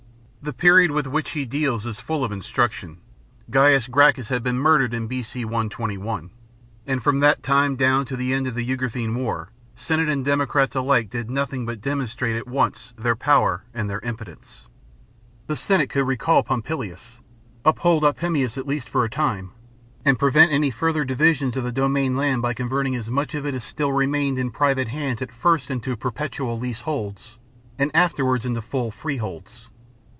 The period with which he deals is full of instruction. Gaius Gracchus had been murdered in B.C. 121, and from that time down to the end of the Jugurthine war Senate and democrats alike did nothing but demon strate at once their power and their impotence. The 120 INTRODUCTION TO THE JUGURTHINE WAR. Senate could recall Popilius, uphold Opimius, at least for a time, and prevent any further divisions of the domain land by converting as much of it as still remained in private hands at first into perpetual lease holds, and afterwards into full freeholds.